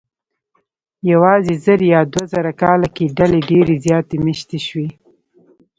یواځې زر یا دوه زره کاله کې ډلې ډېرې زیاتې مېشتې شوې.